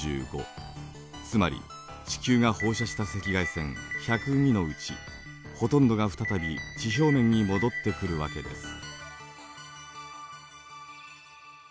つまり地球が放射した赤外線１０２のうちほとんどが再び地表面に戻ってくるわけです。